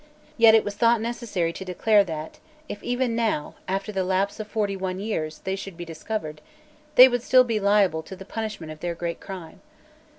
Yet it was thought necessary to declare that, if even now, after the lapse of forty one years, they should be discovered, they would still be liable to the punishment of their great crime.